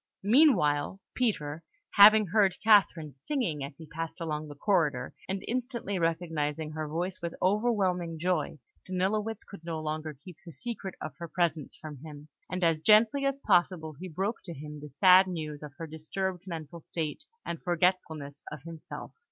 Meanwhile, Peter, having heard Catherine singing as he passed along the corridor, and instantly recognising her voice with overwhelming joy, Danilowitz could no longer keep the secret of her presence from him; and as gently as possible he broke to him the sad news of her disturbed mental state and forgetfulness of himself.